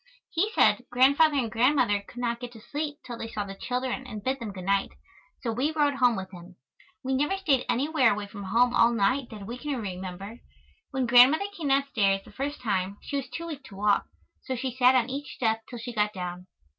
He said Grandfather and Grandmother could not get to sleep till they saw the children and bid them good night. So we rode home with him. We never stayed anywhere away from home all night that we can remember. When Grandmother came downstairs the first time she was too weak to walk, so she sat on each step till she got down.